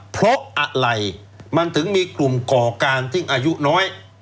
เพราะอะไรมันถึงมีกลุ่มก่อการที่อายุน้อย